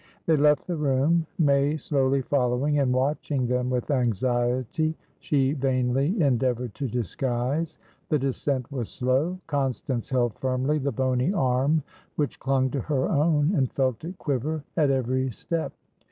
They left the room, May slowly following and watching them with anxiety she vainly endeavoured to disguise. The descent was slow. Constance held firmly the bony arm which clung to her own, and felt it quiver at every step.